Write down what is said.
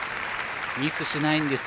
ミスしないんですよ。